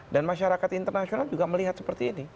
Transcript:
dan masyarakat internasional juga melihat seperti ini